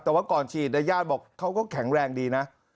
แต่ว่าก่อนฉีดในญาติบอกเขาก็แข็งแรงดีนะ